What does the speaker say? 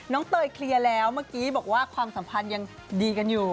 เตยเคลียร์แล้วเมื่อกี้บอกว่าความสัมพันธ์ยังดีกันอยู่